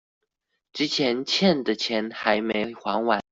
之前欠的錢還沒還完